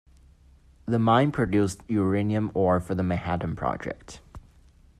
The mine produced uranium ore for the Manhattan Project.